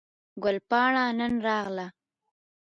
ګل پاڼه نن راغله